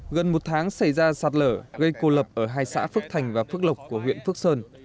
gần một tháng xảy ra sạt lở gây cô lập ở hai xã phước thành và phước lộc của huyện phước sơn